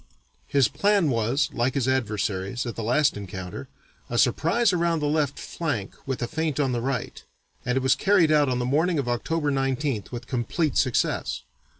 His plan was, like his adversary's at the last encounter, a surprise around the left flank with a feint on the right, and it was carried out on the morning of October 19th with complete success.